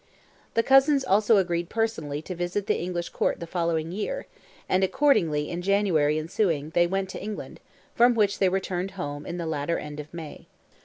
The cousins also agreed personally to visit the English Court the following year, and accordingly in January ensuing they went to England, from which they returned home in the latter end of May.